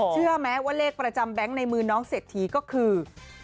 เชื่อไหมว่าเลขประจำแบงค์ในมือน้องเศรษฐีก็คือ